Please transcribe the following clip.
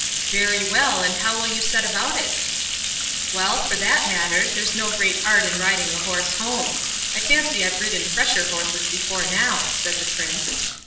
"Very well, and how will you set about it?" "Well, for that matter, there's no great art in riding a horse home. I fancy I've ridden fresher horses before now", said the Prince.